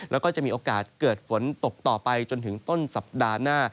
แล้วก็จะมีโอกาสเกิดฝนตกต่อไปจนถึงต้นสัปดาห์หน้า